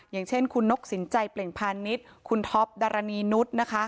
อย่างเช่นคุณนกสินใจเปล่งพาณิชย์คุณท็อปดารณีนุษย์นะคะ